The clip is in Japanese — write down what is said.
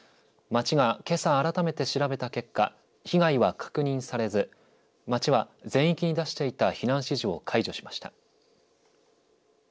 町がけさ、改めて調べた結果、被害は確認されず町は全域に出していた避難指示を解除しました。